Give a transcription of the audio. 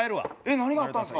何があったんすか？